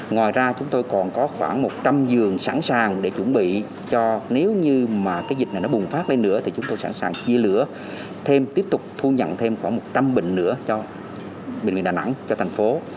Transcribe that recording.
ngoài ra chúng tôi còn có khoảng một trăm linh giường sẵn sàng để chuẩn bị cho nếu như mà cái dịch này nó bùng phát lên nữa thì chúng tôi sẵn sàng chia lửa thêm tiếp tục thu nhận thêm khoảng một trăm linh bình nữa cho bệnh viện đà nẵng cho thành phố